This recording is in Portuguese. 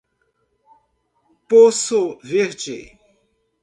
Poço Verde